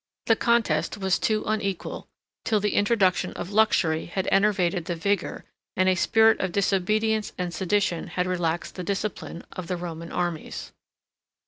The contest was too unequal, till the introduction of luxury had enervated the vigor, and a spirit of disobedience and sedition had relaxed the discipline, of the Roman armies.